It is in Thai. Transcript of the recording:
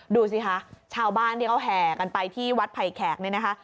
ดูสิคะชาวบ้านที่เขาแห่กันไปที่วัดไผ่แขกเนี่ยนะคะ